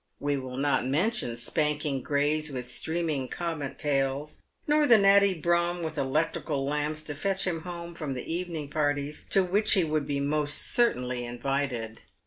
We will not mention spanking greys with streaming comet tails, nor the natty brougham with electrical lamps to fetch him home from the evening parties to which he would be most cer tainly invited.